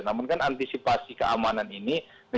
namun kan antisipasi keamanannya